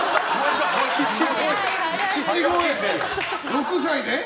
６歳で？